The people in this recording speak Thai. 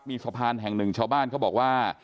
มีสะพานแห่งหนึ่งชาวบ้านเขาบอกว่า